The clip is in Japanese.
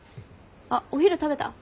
あっお昼食べた？